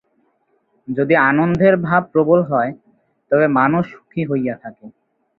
যদি আনন্দের ভাব প্রবল হয়, তবে মানুষ সুখী হইয়া থাকে।